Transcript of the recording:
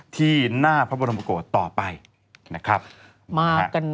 ที่หน้าพระบบประโหกต่อไปขอบคุณครับ